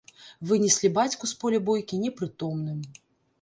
Вынеслі бацьку з поля бойкі непрытомным.